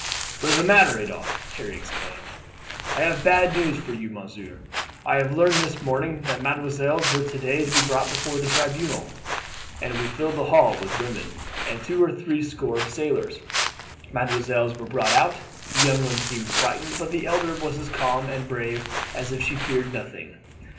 "What is the matter, Adolphe?" Harry exclaimed. "I have bad news for you, monsieur. I learned this morning that mesdemoiselles were to day to be brought before the Tribunal, and we filled the hall with women and two or three score of sailors. Mesdemoiselles were brought out. The young one seemed frightened, but the elder was as calm and brave as if she feared nothing.